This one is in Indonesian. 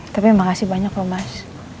tapi makasih banyak loh mas